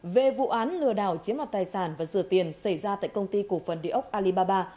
về vụ án lừa đảo chiếm đoạt tài sản và rửa tiền xảy ra tại công ty cổ phần địa ốc alibaba